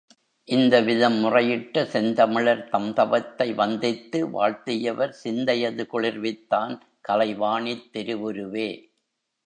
இந்தவிதம் முறையிட்ட செந்தமிழர் தம்தவத்தை வந்தித்து வாழ்த்தியவர் சிந்தையது குளிர்வித்தான் கலைவாணித் திருவுருவே!